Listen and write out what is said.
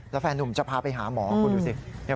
แล้วแฟนนุ่มจะพาไปหาหมอคุณดูสิ